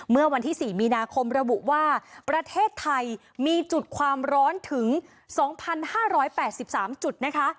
เมื่อวันที่๔มีนาคมระบุว่าประเทศไทยมีจุดความร้อนถึง๒๕๘๓จุดนะคะ